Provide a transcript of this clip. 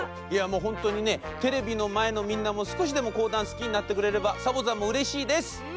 いやもうほんとにねテレビのまえのみんなもすこしでもこうだんすきになってくれればサボざんもうれしいです！